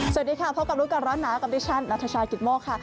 สวัสดีค่ะพบกับรู้กันร้อนหนาวันตะวันดีช่านนาธิชากิจโมะค่ะ